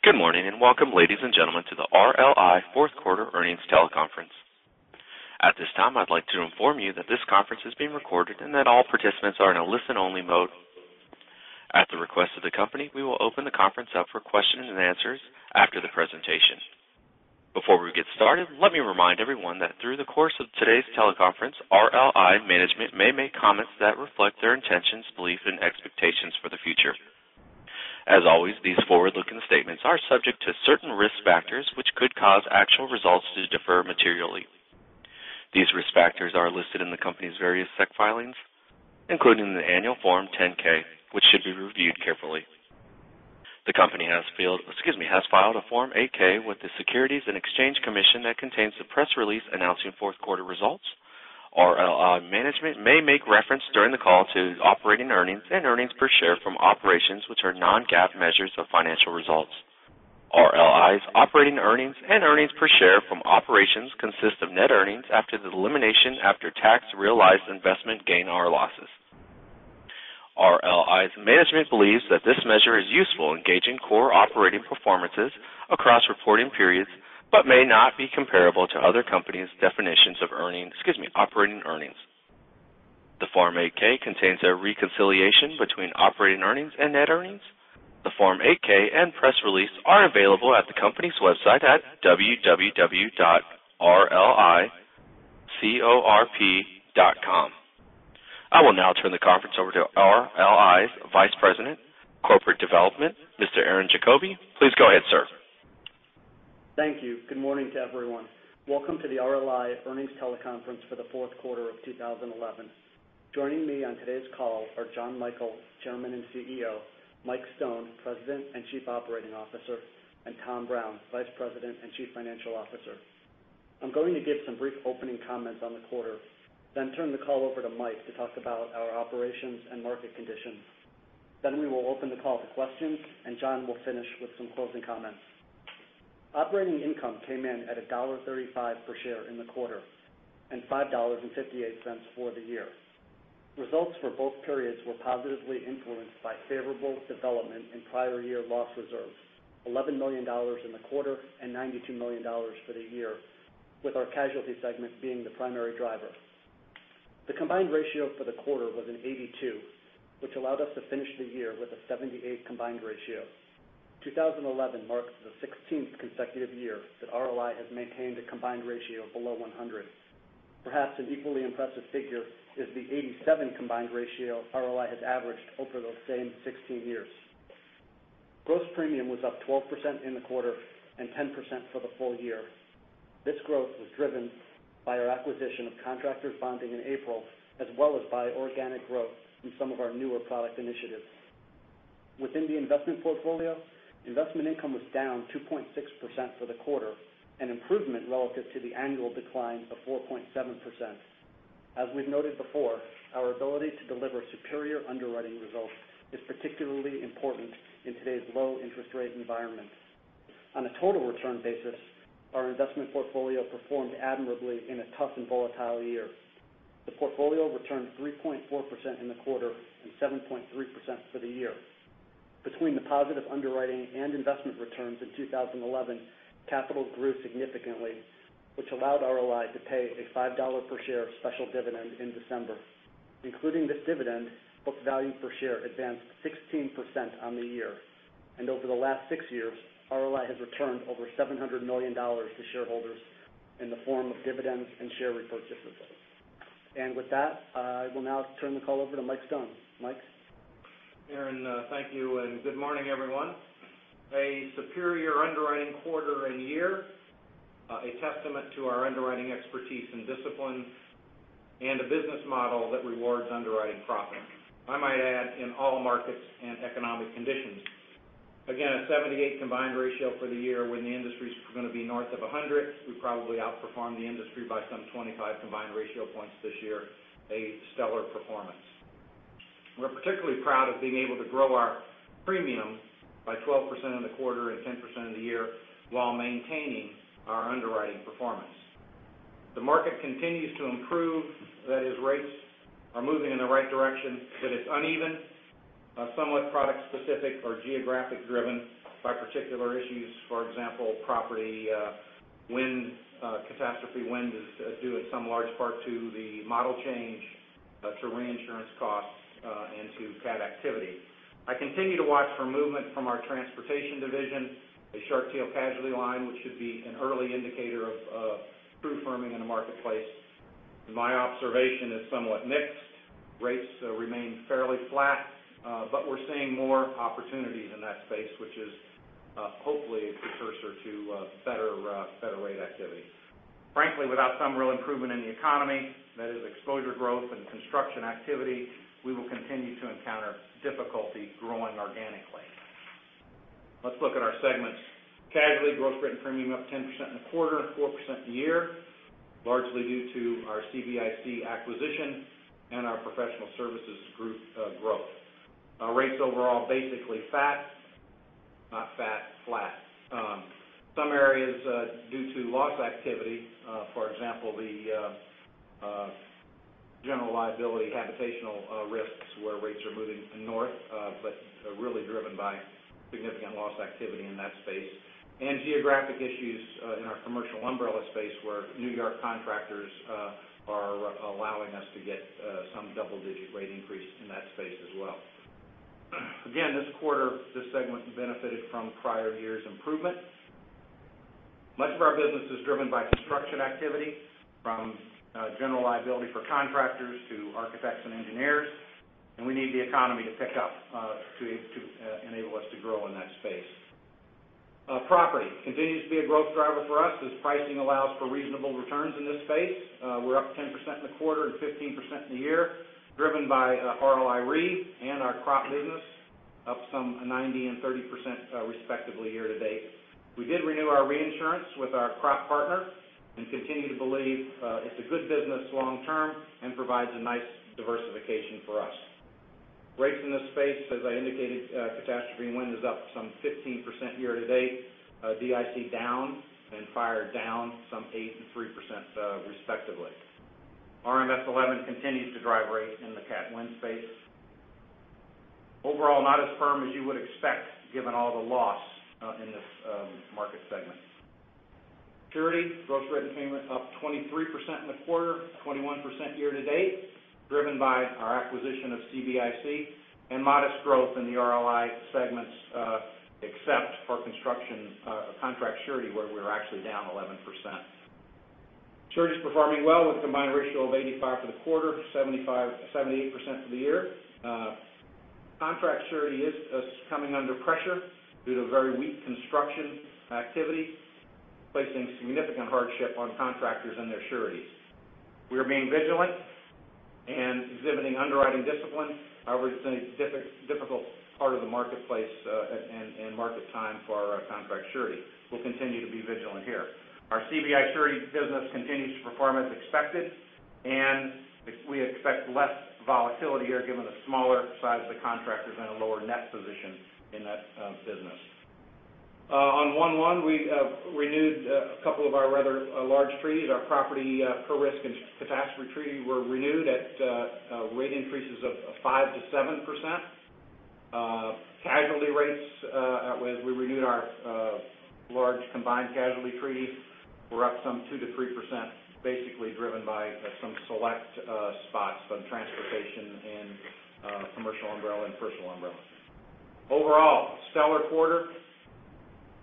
Good morning, welcome, ladies and gentlemen, to the RLI fourth quarter earnings teleconference. At this time, I'd like to inform you that this conference is being recorded and that all participants are in a listen-only mode. At the request of the company, we will open the conference up for questions and answers after the presentation. Before we get started, let me remind everyone that through the course of today's teleconference, RLI management may make comments that reflect their intentions, beliefs, and expectations for the future. As always, these forward-looking statements are subject to certain risk factors which could cause actual results to differ materially. These risk factors are listed in the company's various SEC filings, including the annual Form 10-K, which should be reviewed carefully. The company has filed a Form 8-K with the Securities and Exchange Commission that contains the press release announcing fourth-quarter results. RLI management may make reference during the call to operating earnings and earnings per share from operations, which are non-GAAP measures of financial results. RLI's operating earnings and earnings per share from operations consist of net earnings after the elimination of after-tax realized investment gain or losses. RLI's management believes that this measure is useful in gauging core operating performances across reporting periods but may not be comparable to other companies' definitions of operating earnings. The Form 8-K contains a reconciliation between operating earnings and net earnings. The Form 8-K and press release are available at the company's website at www.rlicorp.com. I will now turn the conference over to RLI's Vice President of Corporate Development, Mr. Aaron Jacoby. Please go ahead, sir. Thank you. Good morning to everyone. Welcome to the RLI Earnings Teleconference for the fourth quarter of 2011. Joining me on today's call are John Michael, Chairman and CEO; Mike Stone, President and Chief Operating Officer; and Tom Brown, Vice President and Chief Financial Officer. I'm going to give some brief opening comments on the quarter, turn the call over to Mike to talk about our operations and market conditions. We will open the call to questions, John will finish with some closing comments. Operating income came in at $1.35 per share in the quarter, $5.58 for the year. Results for both periods were positively influenced by favorable development in prior year loss reserves, $11 million in the quarter and $92 million for the year, with our casualty segment being the primary driver. The combined ratio for the quarter was an 82, which allowed us to finish the year with a 78 combined ratio. 2011 marks the 16th consecutive year that RLI has maintained a combined ratio below 100. Perhaps an equally impressive figure is the 87 combined ratio RLI has averaged over those same 16 years. Gross premium was up 12% in the quarter and 10% for the full year. This growth was driven by our acquisition of Contractors Bonding in April, as well as by organic growth in some of our newer product initiatives. Within the investment portfolio, investment income was down 2.6% for the quarter, an improvement relative to the annual decline of 4.7%. As we've noted before, our ability to deliver superior underwriting results is particularly important in today's low-interest rate environment. On a total return basis, our investment portfolio performed admirably in a tough and volatile year. The portfolio returned 3.4% in the quarter and 7.3% for the year. Between the positive underwriting and investment returns in 2011, capital grew significantly, which allowed RLI to pay a $5 per share special dividend in December. Including this dividend, book value per share advanced 16% on the year. Over the last six years, RLI has returned over $700 million to shareholders in the form of dividends and share repurchases. With that, I will now turn the call over to Mike Stone. Mike? Aaron, thank you, and good morning, everyone. A superior underwriting quarter and year, a testament to our underwriting expertise and discipline and a business model that rewards underwriting profits. I might add, in all markets and economic conditions. Again, a 78 combined ratio for the year when the industry's going to be north of 100. We probably outperformed the industry by some 25 combined ratio points this year, a stellar performance. We're particularly proud of being able to grow our premium by 12% in the quarter and 10% in the year while maintaining our underwriting performance. The market continues to improve. That is, rates are moving in the right direction, but it's uneven, somewhat product specific or geographic driven by particular issues. For example, property catastrophe wind is due in some large part to the model change to reinsurance costs and to cat activity. I continue to watch for movement from our transportation division, a short-tail casualty line, which should be an early indicator of true firming in the marketplace. My observation is somewhat mixed. Rates remain fairly flat, but we're seeing more opportunities in that space, which is hopefully a precursor to better rate activity. Frankly, without some real improvement in the economy, that is exposure growth and construction activity, we will continue to encounter difficulty growing organically. Let's look at our segments. Casualty gross written premium up 10% in the quarter, 4% in the year, largely due to our CBIC acquisition and our Professional Services Group growth. Rates overall, basically flat. Some areas due to loss activity, for example, the general liability habitational risks, where rates are moving north, but really driven by significant loss activity in that space. Geographic issues in our commercial umbrella space, where New York contractors are allowing us to get some double-digit rate increase in that space as well. Again, this quarter, this segment benefited from prior years' improvements. Much of our business is driven by construction activity, from general liability for contractors to architects and engineers, and we need the economy to pick up to enable us to grow in that space. Property continues to be a growth driver for us as pricing allows for reasonable returns in this space. We're up 10% in the quarter and 15% in the year, driven by RLI Re and our crop business, up some 90% and 30%, respectively, year to date. We did renew our reinsurance with our crop partner and continue to believe it's a good business long term and provides a nice diversification for us. Rates in this space, as I indicated, catastrophe and wind is up some 15% year-to-date, DIC down, fire down some 8% and 3%, respectively. RMS 11 continues to drive rates in the cat wind space. Overall, not as firm as you would expect given all the loss in this market segment. Surety, gross written premium up 23% in the quarter, 21% year-to-date, driven by our acquisition of CBIC and modest growth in the RLI segments, except for construction contract surety, where we're actually down 11%. Surety's performing well with a combined ratio of 85% for the quarter, 78% for the year. Contract surety is coming under pressure due to very weak construction activity, placing significant hardship on contractors and their sureties. We are being vigilant and exhibiting underwriting discipline. It's a difficult part of the marketplace and market time for our contract surety. We'll continue to be vigilant here. Our CBI surety business continues to perform as expected, and we expect less volatility here given the smaller size of the contractors and a lower net position in that business. On 1/1, we renewed a couple of our rather large treaties. Our property per risk and catastrophe treaty were renewed at rate increases of 5%-7%. Casualty rates, as we renewed our large combined casualty treaties, were up some 2%-3%, basically driven by some select spots, but transportation and commercial umbrella and personal umbrella. Overall, stellar quarter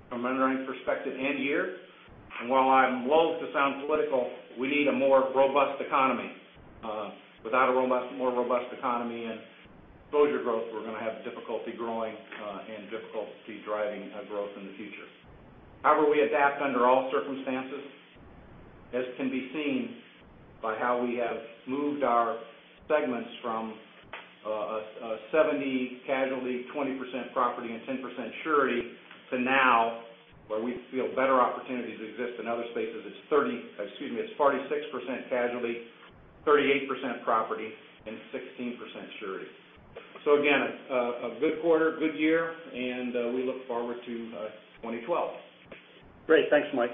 from an underwriting perspective and year. While I'm loathe to sound political, we need a more robust economy. Without a more robust economy and exposure growth, we're going to have difficulty growing and difficulty driving growth in the future. We adapt under all circumstances, as can be seen by how we have moved our segments from a 70% casualty, 20% property, and 10% surety to now, where we feel better opportunities exist in other spaces. It's 46% casualty, 38% property, and 16% surety. Again, a good quarter, good year, and we look forward to 2012. Great. Thanks, Mike.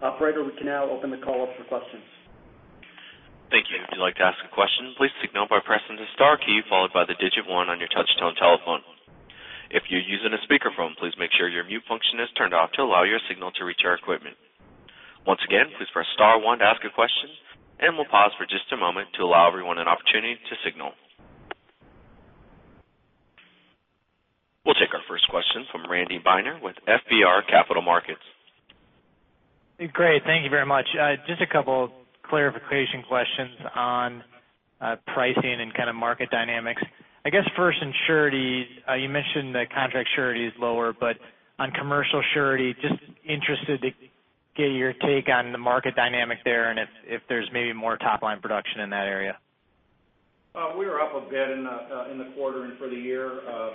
Operator, we can now open the call up for questions. Thank you. If you'd like to ask a question, please signal by pressing the star key followed by the digit one on your touch tone telephone. If you're using a speakerphone, please make sure your mute function is turned off to allow your signal to reach our equipment. Once again, please press star one to ask a question, and we'll pause for just a moment to allow everyone an opportunity to signal. We'll take our first question from Randy Binner with FBR Capital Markets. Great. Thank you very much. Just a couple clarification questions on pricing and kind of market dynamics. I guess first in surety, you mentioned that contract surety is lower, on commercial surety, just interested to get your take on the market dynamic there and if there's maybe more top-line production in that area. We were up a bit in the quarter and for the year, a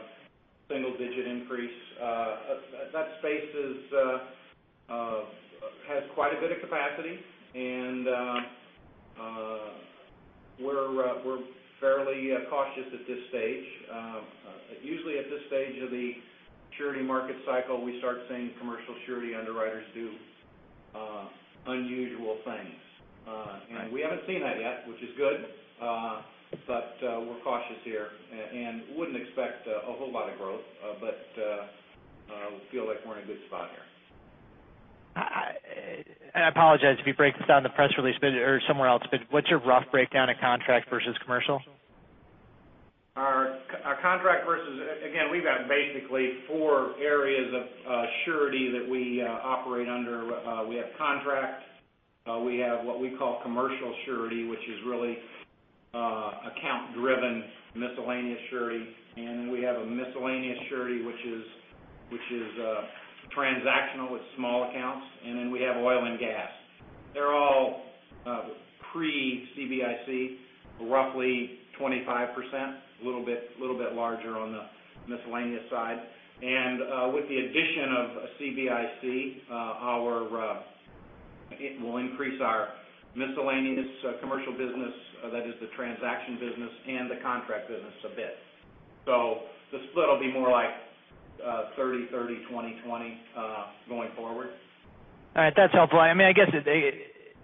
single-digit increase. That space has quite a bit of capacity and we're fairly cautious at this stage. Usually at this stage of the surety market cycle, we start seeing commercial surety underwriters do unusual things. Right. We haven't seen that yet, which is good. We're cautious here and wouldn't expect a whole lot of growth. We feel like we're in a good spot here. I apologize if you break this down in the press release or somewhere else, but what's your rough breakdown of contract versus commercial? Again, we've got basically four areas of surety that we operate under. We have contracts. We have what we call commercial surety, which is really account-driven miscellaneous surety, and then we have a miscellaneous surety, which is transactional with small accounts, and then we have oil and gas. They're all pre-CBIC, roughly 25%, a little bit larger on the miscellaneous side. With the addition of CBIC, it will increase our miscellaneous commercial business, that is the transaction business, and the contract business a bit. The split will be more like 30/30/20/20 going forward. All right. That's helpful. I guess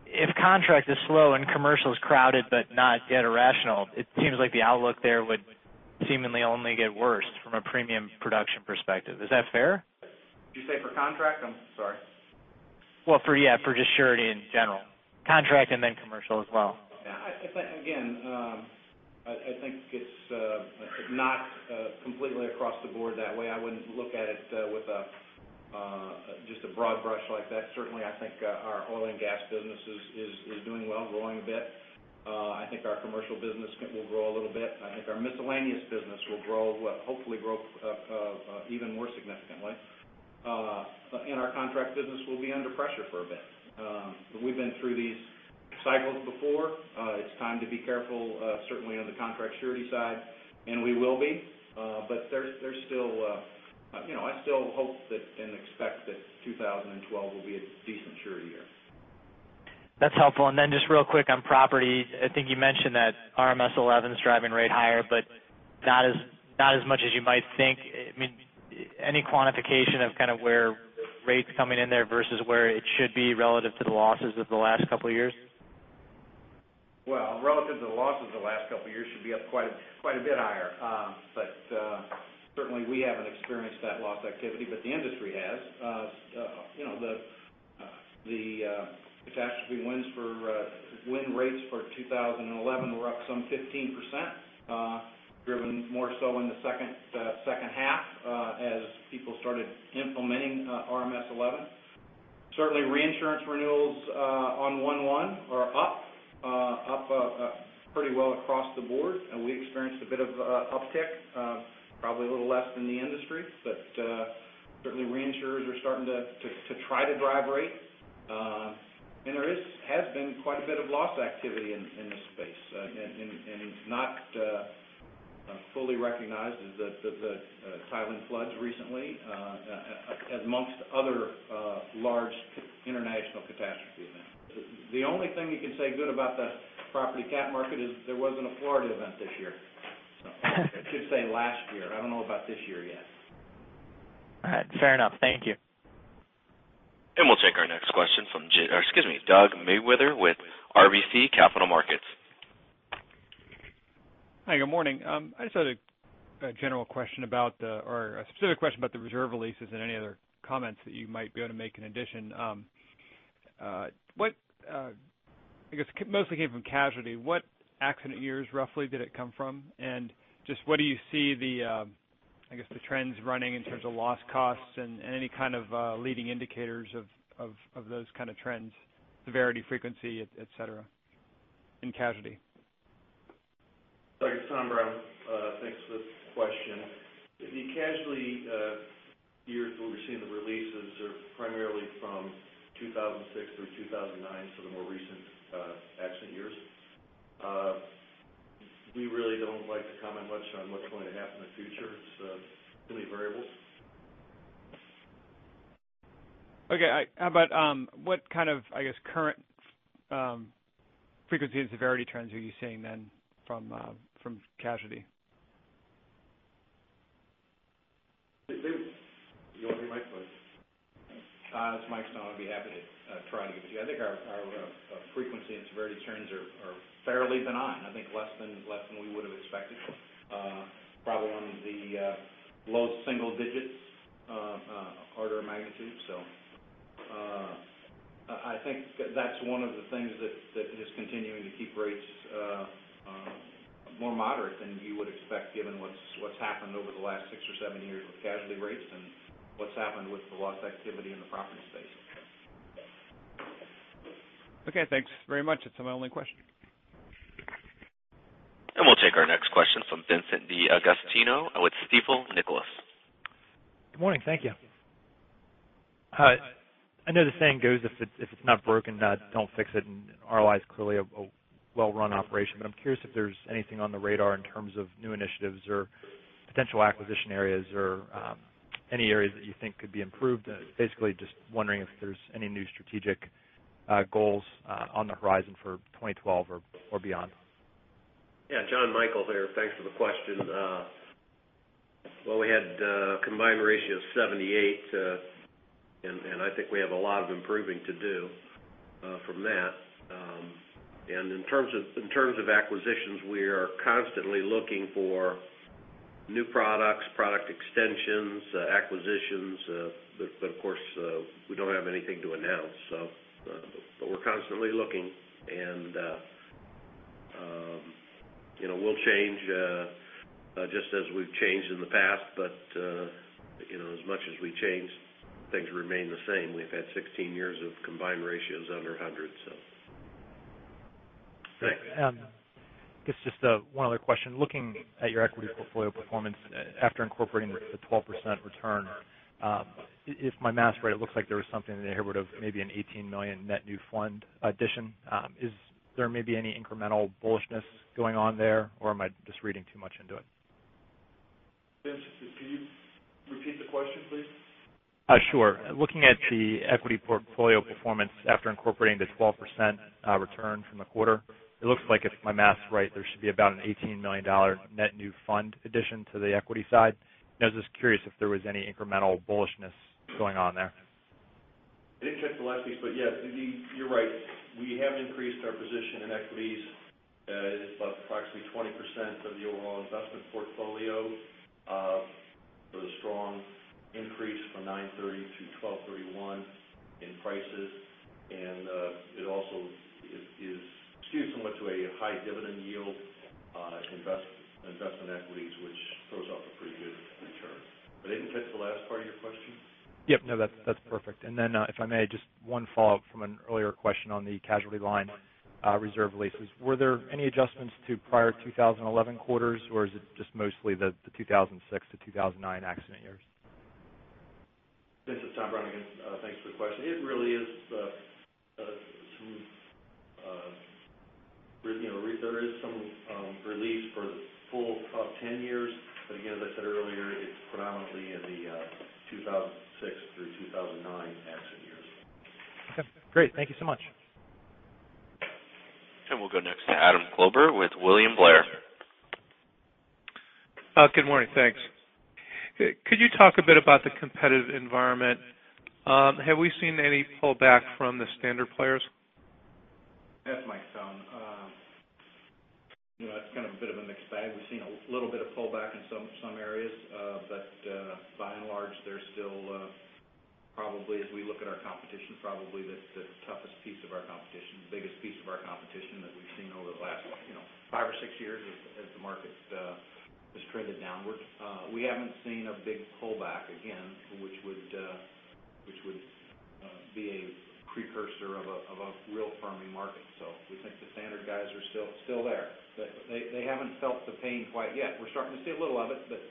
if contract is slow and commercial's crowded but not yet irrational, it seems like the outlook there would seemingly only get worse from a premium production perspective. Is that fair? Did you say for contract? I'm sorry. Well, for just surety in general. Contract and then commercial as well. I think it's not completely across the board that way. I wouldn't look at it with just a broad brush like that. Certainly, I think our oil and gas business is doing well, growing a bit. I think our commercial business will grow a little bit. I think our miscellaneous business will hopefully grow even more significantly. Our contract business will be under pressure for a bit. We've been through these cycles before. It's time to be careful, certainly on the contract surety side, and we will be. I still hope and expect that 2012 will be a decent surety year. That's helpful. Just real quick on property, I think you mentioned that RMS 11's driving rate higher, but not as much as you might think. Any quantification of kind of where rates coming in there versus where it should be relative to the losses of the last couple of years? Well, relative to the losses the last couple of years should be up quite a bit higher. Certainly we haven't experienced that loss activity, but the industry has. The catastrophe wind rates for 2011 were up some 15%, driven more so in the second half as people started implementing RMS 11. Certainly, reinsurance renewals on 1/1 are up pretty well across the board, and we experienced a bit of uptick, probably a little less than the industry. Certainly reinsurers are starting to try to drive rates. There has been quite a bit of loss activity in this space. It's not fully recognized as the Thailand floods recently amongst other large international catastrophe events. The only thing you can say good about the property cat market is there wasn't a Florida event this year. I should say last year. I don't know about this year yet. All right. Fair enough. Thank you. We'll take our next question from Douglas Mewhirter with RBC Capital Markets. Hi, good morning. I just had a specific question about the reserve releases and any other comments that you might be able to make in addition. I guess mostly came from casualty. What accident years roughly did it come from? Just what do you see the trends running in terms of loss costs and any kind of leading indicators of those kind of trends, severity, frequency, et cetera, in casualty? Doug, it's Tom Brown. Thanks for the question. The casualty years where we're seeing the releases are primarily from 2006 through 2009, so the more recent accident years. We really don't like to comment much on what's going to happen in the future. It's really variable. Okay. How about what kind of current frequency and severity trends are you seeing then from casualty? David, do you want the microphone? It's Mike Stone. I'd be happy to try to give it to you. I think our frequency and severity trends are fairly benign. I think less than we would've expected. Probably one of the low single digits order of magnitude. I think that's one of the things that is continuing to keep rates more moderate than you would expect given what's happened over the last six or seven years with casualty rates and what's happened with the loss activity in the property space. Okay, thanks very much. That's my only question. We'll take our next question from Vincent DeAugustino with Stifel, Nicolaus. Good morning. Thank you. I know the saying goes, if it's not broken, don't fix it, and RLI is clearly a well-run operation. I'm curious if there's anything on the radar in terms of new initiatives or potential acquisition areas or any areas that you think could be improved. Basically, just wondering if there's any new strategic goals on the horizon for 2012 or beyond. Yeah. John Michael here. Thanks for the question. Well, we had a combined ratio of 78, I think we have a lot of improving to do from that. In terms of acquisitions, we are constantly looking for new products, product extensions, acquisitions. Of course, we don't have anything to announce. We're constantly looking, and we'll change just as we've changed in the past. As much as we change, things remain the same. We've had 16 years of combined ratios under 100. Thanks. Great. I guess just one other question. Looking at your equity portfolio performance after incorporating the 12% return. If my math's right, it looks like there was something in the neighborhood of maybe an $18 million net new fund addition. Is there maybe any incremental bullishness going on there, or am I just reading too much into it? Vince, could you repeat the question, please? Sure. Looking at the equity portfolio performance after incorporating the 12% return from the quarter, it looks like if my math's right, there should be about an $18 million net new fund addition to the equity side. I was just curious if there was any incremental bullishness going on there. I didn't catch the last piece. Yeah, you're right. We have increased our position in equities. It is about approximately 20% of the overall investment portfolio. There was a strong increase from 9/30 to 12/31 in prices, and it also is skewed somewhat to a high dividend yield investment equities, which throws off a pretty good return. I didn't catch the last part of your question. Yep, no, that's perfect. If I may, just one follow-up from an earlier question on the casualty line reserve releases. Were there any adjustments to prior 2011 quarters, or is it just mostly the 2006 to 2009 accident years? This is Tom Brown again. Thanks for the question. There is some relief for the full 10 years, again, as I said earlier, it's predominantly in the 2006 through 2009 accident years. Okay, great. Thank you so much. We'll go next to Adam Klauber with William Blair. Good morning. Thanks. Could you talk a bit about the competitive environment? Have we seen any pullback from the standard players? That's Mike Stone. That's kind of a bit of a mixed bag. We've seen a little bit of pullback in some areas. By and large, they're still probably, as we look at our competition, probably the toughest piece of our competition, the biggest piece of our competition that we've seen over the last five or six years as the market has traded downwards. We haven't seen a big pullback again, which would be a precursor of a real firming market. We think the standard guys are still there, but they haven't felt the pain quite yet. We're starting to see a little of it, but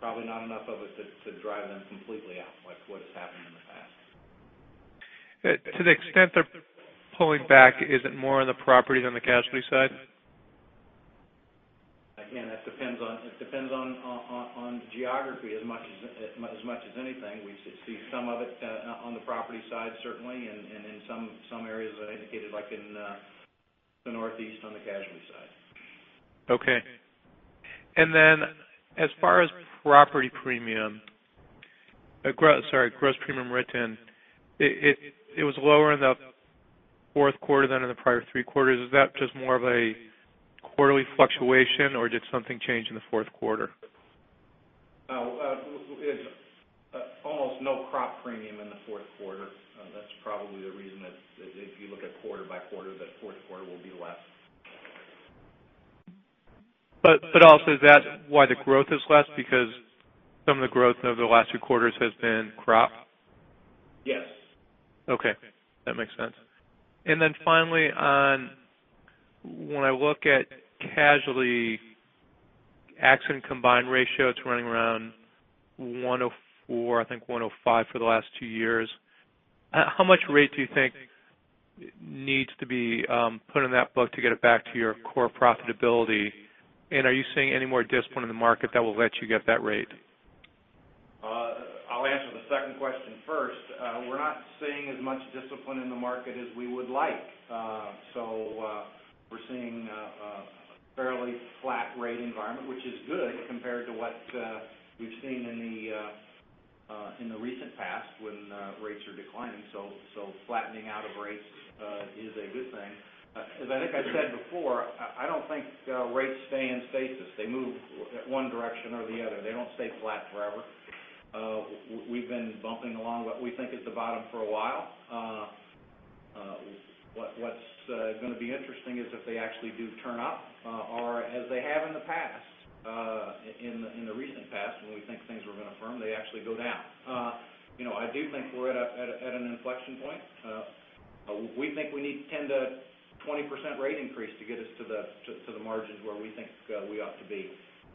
probably not enough of it to drive them completely out, like what has happened in the past. To the extent they're pulling back, is it more on the property than the casualty side? It depends on the geography as much as anything. We see some of it on the property side, certainly, and in some areas that I indicated, like in the Northeast on the casualty side. Okay. As far as gross premium written, it was lower in the fourth quarter than in the prior three quarters. Is that just more of a quarterly fluctuation, or did something change in the fourth quarter? It's almost no crop premium in the fourth quarter. That's probably the reason that if you look at quarter by quarter, that fourth quarter will be less. Is that why the growth is less because some of the growth over the last two quarters has been crop? Yes. Okay. That makes sense. Finally, when I look at casualty accident combined ratio, it's running around 104, I think 105 for the last two years. How much rate do you think needs to be put in that book to get it back to your core profitability? Are you seeing any more discipline in the market that will let you get that rate? I'll answer the second question first. We're not seeing as much discipline in the market as we would like. We're seeing a fairly flat rate environment, which is good compared to what we've seen in the recent past when rates are declining. Flattening out of rates is a good thing. As I think I've said before, I don't think rates stay in stasis. They move one direction or the other. They don't stay flat forever. We've been bumping along what we think is the bottom for a while. What's going to be interesting is if they actually do turn up, or as they have in the past, in the recent past, when we think things were going to firm, they actually go down. I do think we're at an inflection point. We think we need 10%-20% rate increase to get us to the margins where we think we ought to be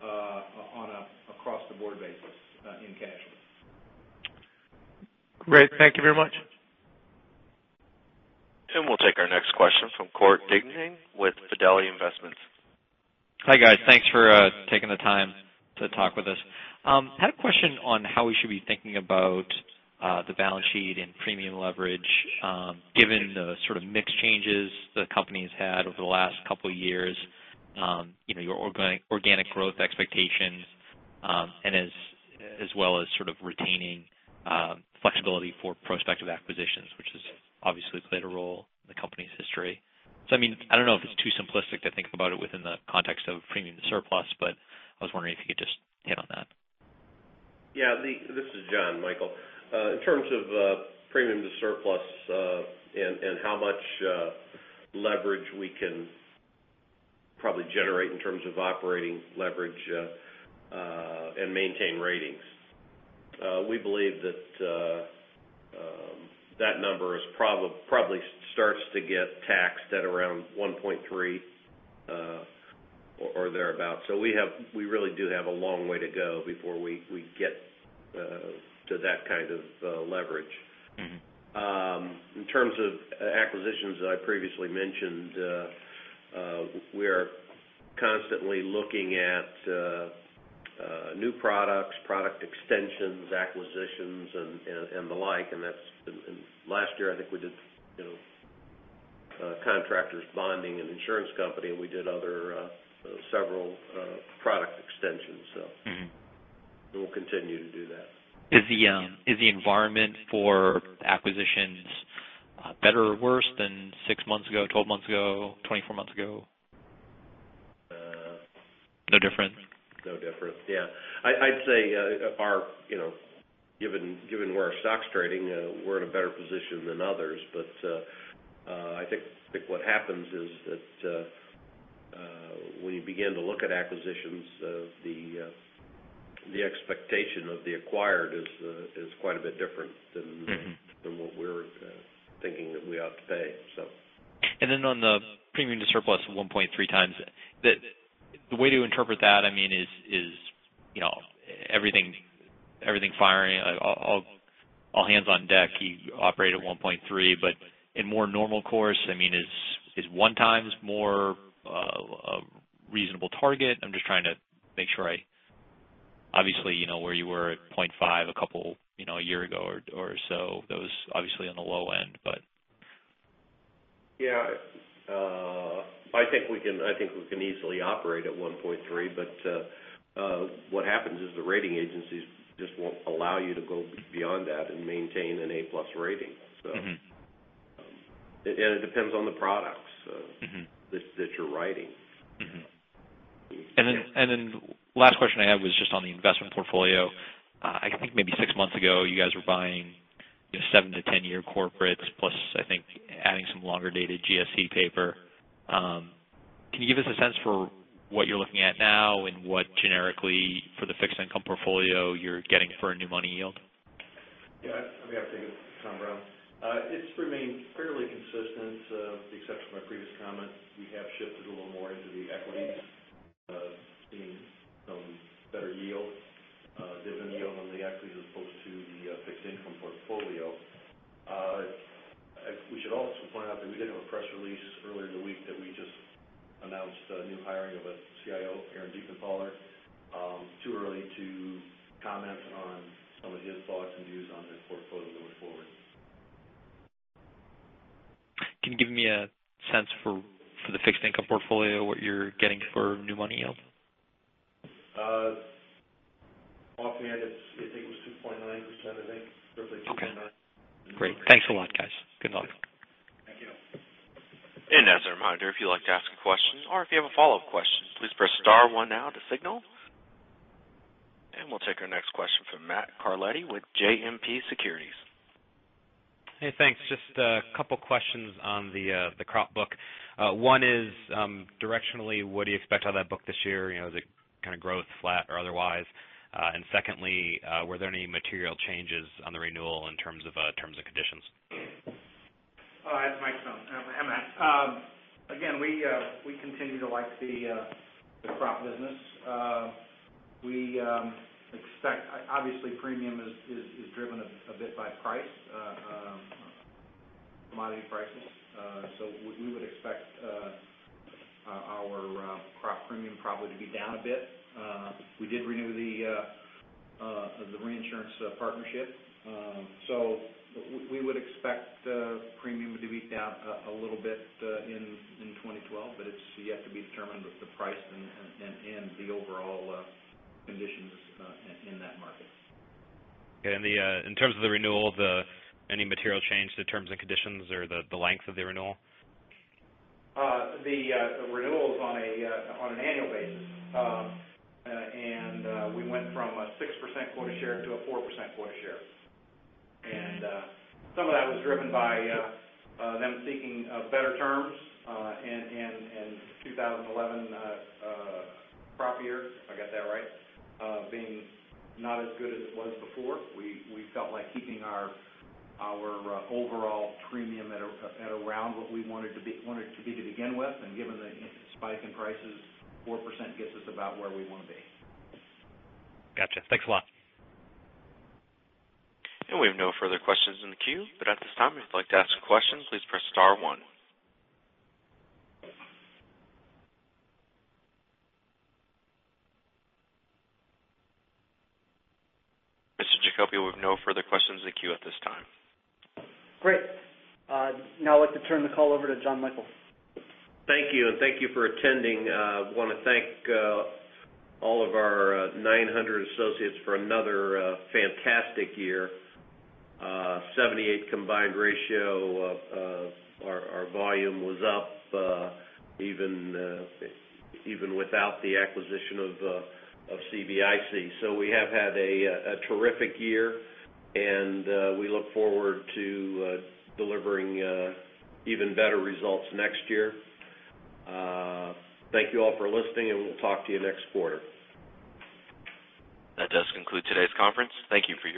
on a across-the-board basis in casualty. Great. Thank you very much. We'll take our next question from Court Dignan with Fidelity Investments. Hi, guys. Thanks for taking the time to talk with us. Had a question on how we should be thinking about the balance sheet and premium leverage, given the sort of mix changes the company's had over the last couple of years, your organic growth expectations, and as well as sort of retaining flexibility for prospective acquisitions, which has obviously played a role in the company's history. I don't know if it's too simplistic to think about it within the context of premium to surplus, but I was wondering if you could just hit on that. Yeah. This is John Michael. In terms of premium to surplus and how much leverage we can probably generate in terms of operating leverage and maintain ratings. We believe that number probably starts to get taxed at around 1.3 or thereabout. We really do have a long way to go before We get to that kind of leverage. In terms of acquisitions that I previously mentioned, we are constantly looking at new products, product extensions, acquisitions, and the like. Last year I think we did Contractors Bonding and Insurance Company, and we did several other product extensions. We'll continue to do that. Is the environment for acquisitions better or worse than six months ago, 12 months ago, 24 months ago? No difference? No difference. Yeah. I'd say, given where our stock's trading, we're in a better position than others. I think what happens is that when you begin to look at acquisitions, the expectation of the acquired is quite a bit different than- what we're thinking that we ought to pay. Then on the premium to surplus of 1.3 times, the way to interpret that is everything firing, all hands on deck, you operate at 1.3, but in more normal course, is one times more a reasonable target? I'm just trying to make sure I. Obviously, where you were at .5 a year ago or so, that was obviously on the low end. Yeah. I think we can easily operate at 1.3. What happens is the rating agencies just won't allow you to go beyond that and maintain an A+ rating. It depends on the products. that you're writing. Mm-hmm. Last question I had was just on the investment portfolio. I think maybe six months ago, you guys were buying 7- to 10-year corporates, plus, I think, adding some longer dated GSE paper. Can you give us a sense for what you're looking at now, and what generically, for the fixed income portfolio, you're getting for a new money yield? Yeah. I mean, I think it's Tom Brown. It's remained fairly consistent. With the exception of my previous comment, we have shifted a little more into the equities, seeing some better yield, dividend yield on the equities as opposed to the fixed income portfolio. We should also point out that we did have a press release earlier in the week that we just announced a new hiring of a CIO, Aaron Diefenthaler. Too early to comment on some of his thoughts and views on the portfolio moving forward. Can you give me a sense for the fixed income portfolio, what you're getting for new money yield? Offhand, it was 2.9%, I think. Roughly 2.9%. Okay. Great. Thanks a lot, guys. Good luck. Thank you. As a reminder, if you'd like to ask a question or if you have a follow-up question, please press star one now to signal. We'll take our next question from Matthew Carletti with JMP Securities. Hey, thanks. Just a couple questions on the crop book. One is directionally, what do you expect out of that book this year? Is it kind of growth flat or otherwise? Secondly, were there any material changes on the renewal in terms of terms and conditions? Hi, this is Mike Stone. Hi, Matt. Again, we continue to like the crop business. Obviously premium is driven a bit by commodity prices. We would expect our crop premium probably to be down a bit. We did renew the reinsurance partnership. We would expect the premium to be down a little bit in 2012, but it's yet to be determined with the price and the overall conditions in that market. Okay. In terms of the renewal, any material change to terms and conditions or the length of the renewal? The renewal is on an annual basis. We went from a 6% quota share to a 4% quota share. Some of that was driven by them seeking better terms in 2011 crop year, if I got that right, being not as good as it was before. We felt like keeping our overall premium at around what we wanted to be to begin with, given the spike in prices, 4% gets us about where we want to be. Got you. Thanks a lot. We have no further questions in the queue. At this time, if you'd like to ask a question, please press star one. Mr. Jacoby, we have no further questions in the queue at this time. Great. Now I'd like to turn the call over to John Michael. Thank you, and thank you for attending. I want to thank all of our 900 associates for another fantastic year. 78 combined ratio of our volume was up even without the acquisition of CBIC. We have had a terrific year, and we look forward to delivering even better results next year. Thank you all for listening, and we'll talk to you next quarter. That does conclude today's conference. Thank you for your participation.